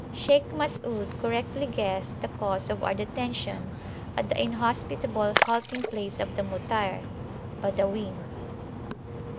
Shaykh Masud correctly guessed the cause of our detention at the inhospitable halting place of the Mutayr (Badawin).